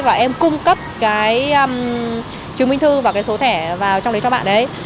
và em cung cấp cái chứng minh thư và cái số thẻ vào trong đấy cho bạn đấy